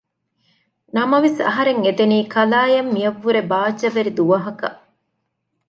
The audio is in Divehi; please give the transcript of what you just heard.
ނަމަވެސް އަހަރެން އެދެނީ ކަލާއަށް މިއަށްވުރެ ބާއްޖަވެރި ދުވަހަކަށް